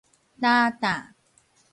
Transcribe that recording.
擔擔